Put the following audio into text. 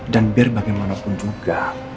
dan biar bagaimanapun juga